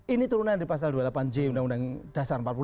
ini turunan di pasal dua puluh delapan j undang undang dasar empat puluh lima